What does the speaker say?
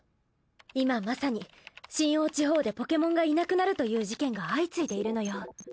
今まさにシンオウ地方でポケモンがいなくなるという事件が相次いでいるのよ。